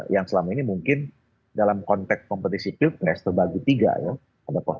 yang selama ini mungkin dalam konteks kompetisi pilpres terbagi tiga ya